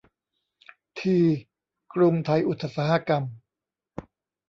ที กรุงไทยอุตสาหกรรม